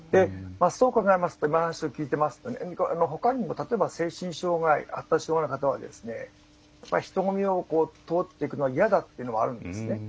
で今の話を聞いていますと他にも例えば精神障害発達障害の方は人混みを通っていくのは嫌だというのがあるんですね。